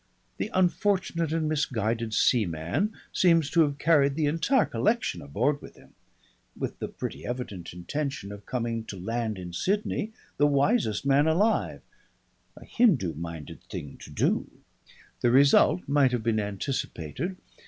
The unfortunate and misguided seaman seems to have carried the entire collection aboard with him, with the pretty evident intention of coming to land in Sydney the wisest man alive a Hindoo minded thing to do. The result might have been anticipated.